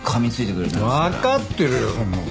わかってるよそんな事。